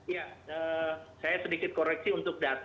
ya saya sedikit koreksi untuk data